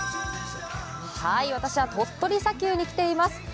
私は鳥取砂丘に来ています。